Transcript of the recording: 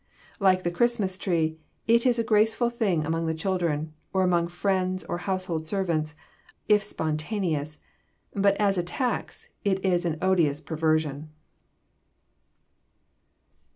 Like the Christmas tree, it is a graceful thing among the children, or among friends or household servants, if spontaneous; but as a tax, it is an odious perversion.